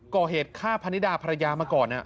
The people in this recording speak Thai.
ก่อเหตุฆ่าพนิดาภรรยามาก่อน